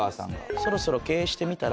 「そろそろ経営してみたら？」